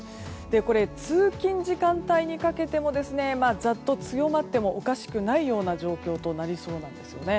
これ、通勤時間帯にかけてもざっと強まってもおかしくないような状況となりそうなんですよね。